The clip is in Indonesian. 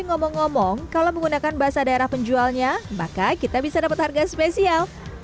ngomong ngomong kalau menggunakan bahasa daerah penjualnya maka kita bisa dapat harga spesial